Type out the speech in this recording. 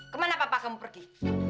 kemana papa kamu pergi